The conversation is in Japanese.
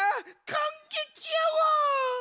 かんげきやわ！